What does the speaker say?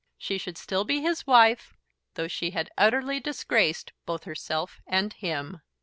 She should still be his wife, though she had utterly disgraced both herself and him.